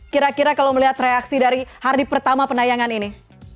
kira kira kalau melihat reaksi dari hari pertama penayangan ini